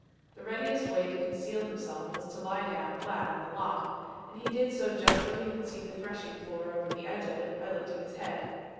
The readiest way to conceal himself was to lie down flat on the loft, and he did so just where he could see the threshing floor over the edge of it by lifting his head.